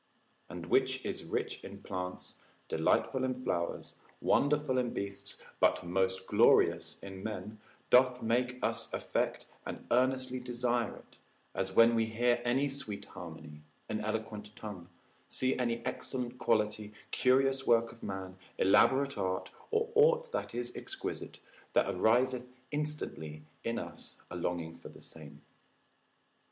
And which is rich in plants, delightful in flowers, wonderful in beasts, but most glorious in men, doth make us affect and earnestly desire it, as when we hear any sweet harmony, an eloquent tongue, see any excellent quality, curious work of man, elaborate art, or aught that is exquisite, there ariseth instantly in us a longing for the same.